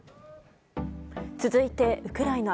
続いて、ウクライナ。